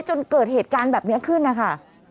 จนเกิดเหตุการณ์แบบนี้ขึ้นนะคะ